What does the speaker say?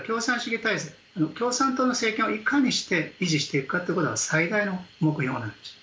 ですから共産党の政権をいかにして維持していくかが最大の目標なんです。